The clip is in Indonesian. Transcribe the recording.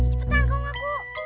cepetan kamu ngaku